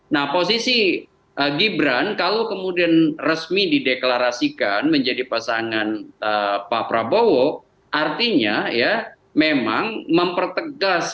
nah posisi gibran kalau kemudian resmi dideklarasikan menjadi pasangan pak prabowo artinya ya memang mempertegas